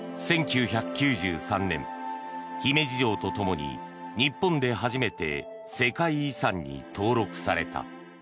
１９９３年、姫路城とともに日本で初めて世界遺産に登録された。